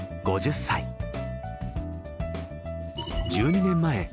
５０歳１２年前